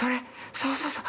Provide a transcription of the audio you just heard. そうそうそう。